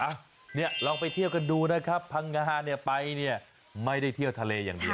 เนี่ยลองไปเที่ยวกันดูนะครับพังงาเนี่ยไปเนี่ยไม่ได้เที่ยวทะเลอย่างเดียว